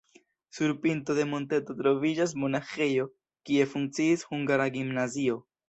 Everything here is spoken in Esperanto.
Sur pinto de monteto troviĝas monaĥejo, kie funkciis hungara gimnazio.